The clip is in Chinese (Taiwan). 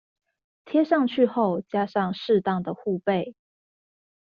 貼上去後加上適當的護貝